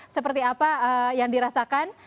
seperti apa yang dirasakan